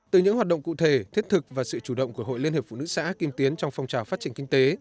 từ những hoạt động cụ thể thiết thực và sự chủ động của hội liên hiệp phụ nữ xã kim tiến trong phong trào phát triển kinh tế